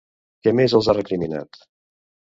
Què més els ha recriminat?